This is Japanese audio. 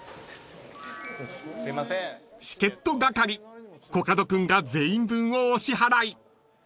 ［チケット係コカド君が全員分をお支払い］